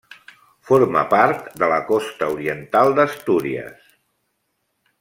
Forma part de la Costa oriental d'Astúries.